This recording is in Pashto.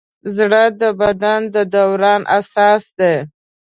زړه د بدن د دوران اساس دی.